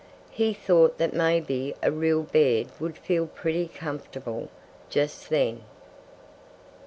He thought that maybe a real bed would feel pretty comfortable, just then.